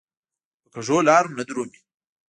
په کږو لارو نه درومي.